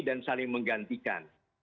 dan saling menggantikan